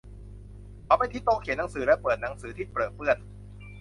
เขาไปที่โต๊ะเขียนหนังสือ และเปิดหนังสือที่เปรอะเปื้อน